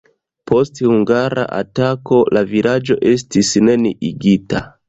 Post hungara atako la vilaĝo estis neniigita.